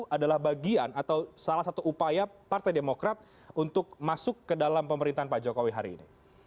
adalah bagian atau salah satu upaya partai demokrat untuk masuk ke dalam pemerintahan pak jokowi hari ini